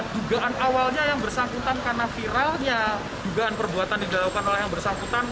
dugaan awalnya yang bersangkutan karena viralnya dugaan perbuatan yang dilakukan oleh yang bersangkutan